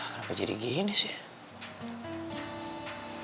kenapa jadi gini sih